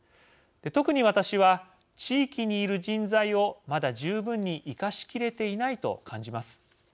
特に私は、地域にいる人材をまだ十分に生かしきれていないと感じます。